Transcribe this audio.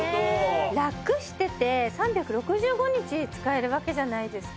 ラクしてて３６５日使えるわけじゃないですか。